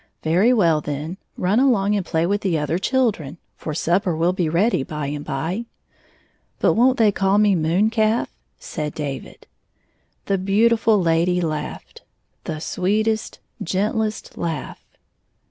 " Very well, then ; rmi along and play with the other children, for supper will be ready by and by." '* But won't they call me moon calf? " said David. The beautiftil lady laughed ; the sweetest, gen 79 tlest laugh.